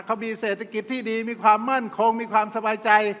เขามีเศรษฐกิจที่ดีมีความมั่นคงมีความสบายใจ